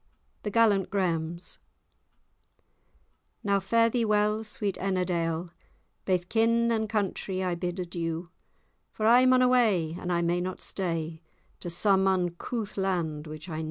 *THE GALLANT GRAHAMS* Now, fare thee well, sweet Ennerdale![#] Baith kith and countrie I bid adieu; For I maun away, and I may not stay, To some uncouth land which I never knew.